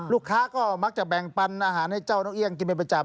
ลูกค้าก็มักจะแบ่งปันอาหารให้เจ้านกเอี่ยงกินเป็นประจำ